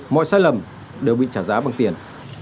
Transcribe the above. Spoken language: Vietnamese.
mọi sai lầm đều bị trả giá bằng tiền